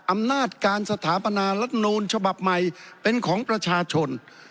อำนาจการสถาปนารัฐนูลฉบับใหม่เป็นของประชาชน